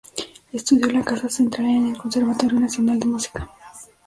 Estudió en la Casa Central y en el Conservatorio Nacional de Música.